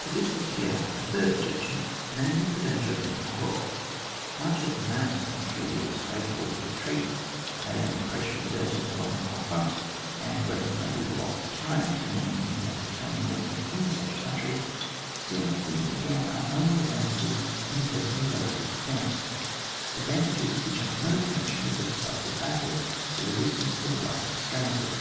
To this is to be added a third objection, namely the danger of being cut off. Much as a mountainous country is favourable to a retreat, made imder a pressure exerted along the whole front, and great as may be &e loss of time to an enemy who makes a turning movement in such a country, still these again are only advan tages in the case of a relative defence^ ad vantages which have no connection with the decisive battle, the resistance to the last extremity.